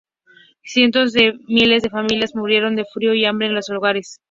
Cientos de miles de familias murieron de frío y hambre en sus hogares.